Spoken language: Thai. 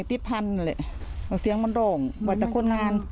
ติดพันธุ์เลยแล้วเสียงมันโร่งวัดแต่คนร้าน